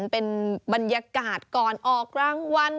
เป็นบรรยากาศก่อนออกรางวัล